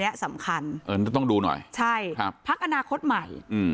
อันนี้สำคัญเออต้องดูหน่อยใช่ครับพักอนาคตใหม่อืม